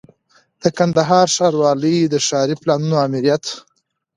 د کندهار ښاروالۍ د ښاري پلانونو آمریت